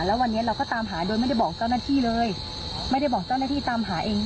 แล้ววันนี้เราก็ตามหาโดยไม่ได้บอกเจ้าหน้าที่เลยไม่ได้บอกเจ้าหน้าที่ตามหาเอง